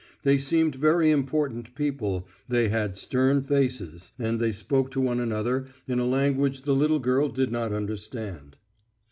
They seemed very important people, they had stern faces, and they spoke to one another in a language the little girl did not understand.